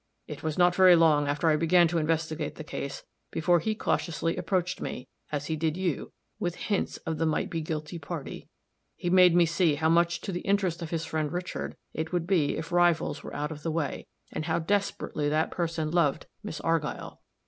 It was not very long after I began to investigate the case before he cautiously approached me, as he did you, with hints of the might be guilty party; he made me see how much to the interest of his friend Richard it would be if rivals were out of the way, and how desperately that person loved Miss Argyll.